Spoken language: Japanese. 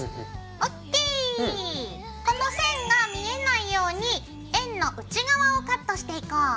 この線が見えないように円の内側をカットしていこう。